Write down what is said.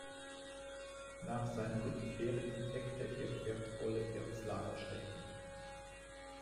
Nach seiner Rückkehr entdeckte er wertvolle Erzlagerstätten.